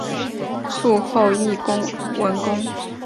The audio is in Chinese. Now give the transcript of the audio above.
卒后谥文恭。